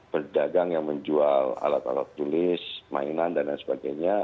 pedagang yang menjual alat alat tulis mainan dan lain sebagainya